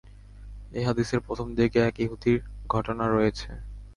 এ হাদীসের প্রথম দিকে এক ইহুদীর ঘটনা রয়েছে।